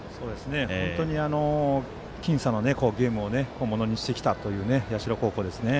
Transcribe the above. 本当に僅差の好ゲームをものにしてきたという社高校ですね。